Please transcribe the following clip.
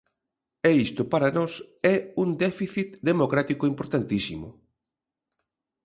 E isto para nós é un déficit democrático importantísimo.